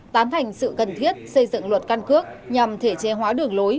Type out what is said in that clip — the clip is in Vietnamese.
tám hành sự cần thiết xây dựng luật căn cước nhằm thể chế hóa đường lối